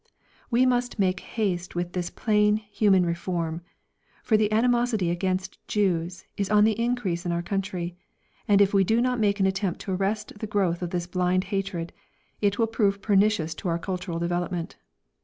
We must make haste with this plain, human reform, for the animosity against Jews is on the increase in our country, and if we do not make an attempt to arrest the growth of this blind hatred, it will prove pernicious to our cultural development.